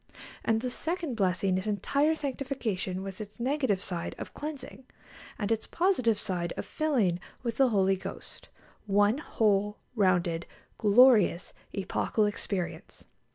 And the second blessing is entire sanctification, with its negative side of cleansing, and its positive side of filling with the Holy Ghost one whole, rounded, glorious, epochal experience.